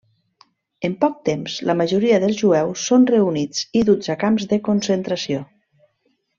En poc temps la majoria dels jueus són reunits i duts a camps de concentració.